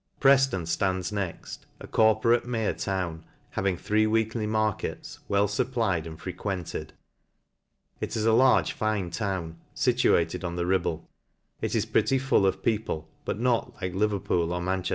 Preflon (rands next, a corporate mayor town, having three weekly markets, well fupplied and fre quented. It is a large fine town, fituated on the Ribble : it is pretty full of people, but not like Le verpnl or Manche.